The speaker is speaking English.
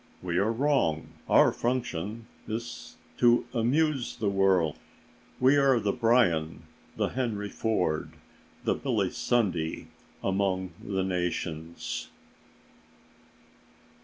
We are wrong. Our function is to amuse the world. We are the Bryan, the Henry Ford, the Billy Sunday among the nations....